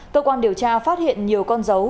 cơ quan điều tra phát hiện nhiều con dấu